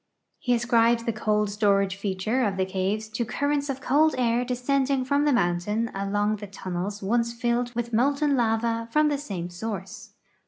He ascribes the cold storage feature of the caves to currents of cold air descending from the mountain along the tunnels once filled with molten lava from the same source.